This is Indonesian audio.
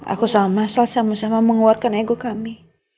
aku sahabat masal sama sama mengeluarkan ego kami